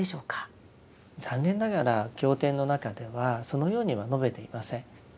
残念ながら経典の中ではそのようには述べていません。